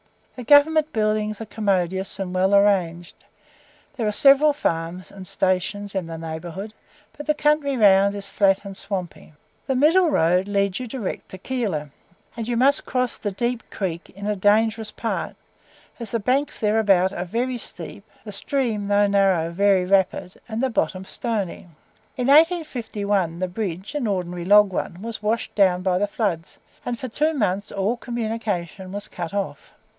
The Government buildings are commodious and well arranged. There are several farms and stations in the neighbourhood, but the country round is flat and swampy. The middle road leads you direct to Keilor, and you must cross the Deep Creek in a dangerous part, as the banks thereabouts are very steep, the stream (though narrow) very rapid, and the bottom stony. In 1851, the bridge (an ordinary log one) was washed down by the floods, and for two months all communication was cut off.